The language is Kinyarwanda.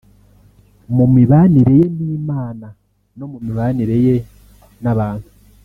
mu mibanire ye n’Imana no mu mibanire ye n’abantu